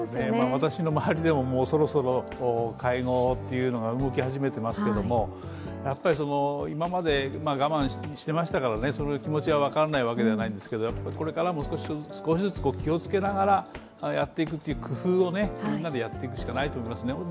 私の周りでもそろそろ会合というのが動き始めていますけれども、今まで我慢していましたからね、その気持ちは分からないわけではないんですけどこれからも少しずつ気をつけながらやっていくという工夫をみんなでやっていくしかないと思いますね。